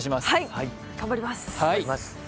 はい、頑張ります。